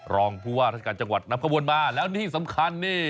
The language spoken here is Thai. รองผู้ว่าราชการจังหวัดนำขบวนมาแล้วที่สำคัญนี่